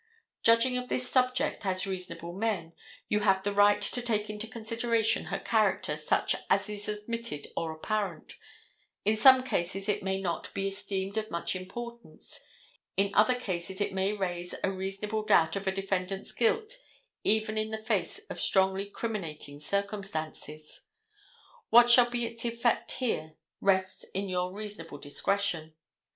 Judging of this subject as reasonable men, you have the right to take into consideration her character such as is admitted or apparent. In some cases it may not be esteemed of much importance. In other cases it may raise a reasonable doubt of a defendant's guilt even in the face of strongly criminating circumstances. What shall be its effect here rests in your reasonable discretion.